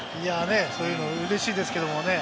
そういうのはうれしいですけれどもね。